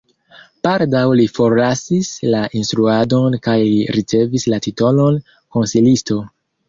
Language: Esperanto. Baldaŭ li forlasis la instruadon kaj li ricevis la titolon konsilisto.